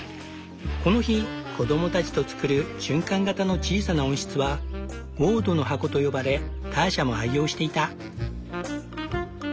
この日子どもたちと作る循環型の小さな温室は「ウォードの箱」と呼ばれターシャも愛用していた。